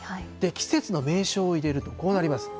季節の名称を入れるとこうなります。